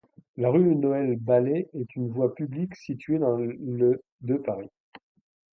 La rue Noël-Ballay est une voie publique située dans le de Paris.